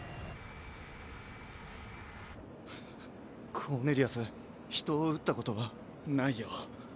コーネリアス人を撃ったことは？ないよ。